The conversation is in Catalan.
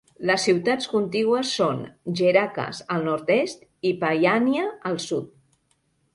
Les ciutats contigües són Gerakas al nord-est i Paiania al sud.